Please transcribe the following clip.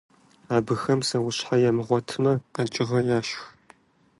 Абыхэм псэущхьэ ямыгъуэтмэ, къэкӏыгъэ яшх.